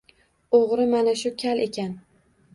O‘g‘ri mana shu kal ekan